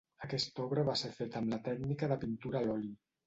Aquesta obra va ser feta amb la tècnica de pintura a l'oli.